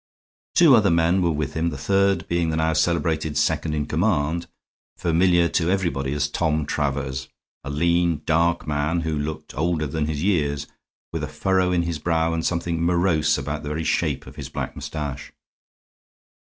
Two other men were with him, the third being the now celebrated second in command, familiar to everybody as Tom Travers, a lean, dark man, who looked older than his years, with a furrow in his brow and something morose about the very shape of his black mustache.